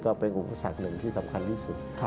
ก็เป็นอุปสรรคหนึ่งที่สำคัญที่สุด